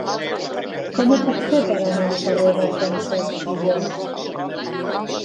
Com ho puc fer per anar al carrer de Francesc Pujols?